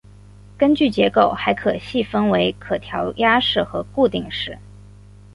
根据结构还可细分为可调压式和固定式。